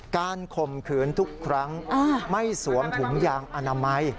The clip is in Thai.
ข่มขืนทุกครั้งไม่สวมถุงยางอนามัย